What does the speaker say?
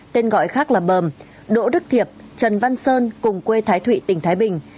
tên gọi khác là bờm đỗ đức thiệp trần văn sơn cùng quê thái thụy tỉnh thái bình